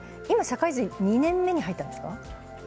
今、社会人２年目に入ったんですか？